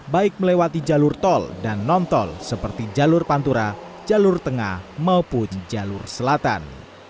baik melewati jalur tol dan non tol seperti jalur pantura jalur tengah maupun jalur selatan